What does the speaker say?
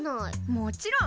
もちろん！